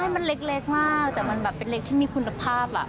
มันเล็กมากแต่มันแบบเป็นเล็กที่มีคุณภาพ